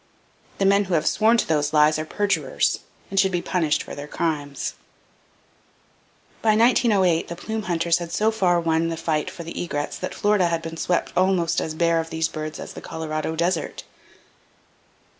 The men who have sworn to those lies are perjurers, and should be punished for their crimes. (See Chapter XIII). By 1908, the plume hunters had so far won the fight for the egrets that Florida had been swept almost as bare of these birds as the Colorado desert.